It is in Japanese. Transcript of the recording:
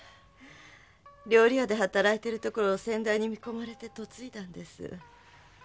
料理屋で働いてるところを先代に見込まれて嫁いだんです。